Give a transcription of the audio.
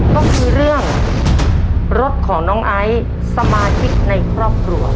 ก็คือเรื่องรถของน้องไอซ์สมาชิกในครอบครัว